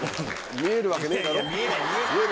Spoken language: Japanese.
見えるわけねえだろ。